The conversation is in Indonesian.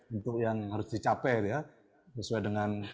untuk yang harus dicapai ya sesuai dengan